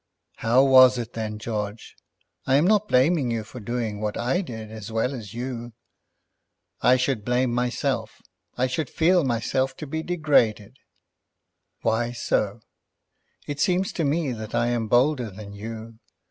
"How was it then, George? I am not blaming you for doing what I did as well as you." "I should blame myself. I should feel myself to be degraded." "Why so? It seems to me that I am bolder than you.